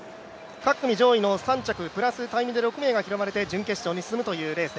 各組上位の３着プラスでタイムで６名が拾われて、準決勝に進みます。